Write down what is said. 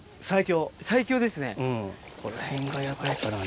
最強ですね。